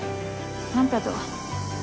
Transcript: あんたと